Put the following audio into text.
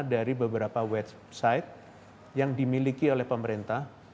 dari beberapa website yang dimiliki oleh pemerintah